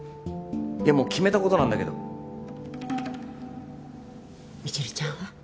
いやもう決めたことなんだけど未知留ちゃんは？